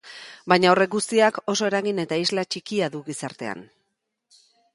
Baina horrek guztiak oso eragin eta isla txikia du gizartean.